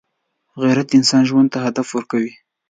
غیرت انسان ژوند ته هدف ورکوي